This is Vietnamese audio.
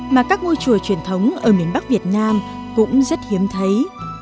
mà các ngôi chùa truyền thống ở miền bắc việt nam cũng rất hiếm thấy